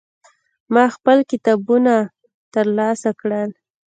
ما خپل کتابونه ترلاسه کړل.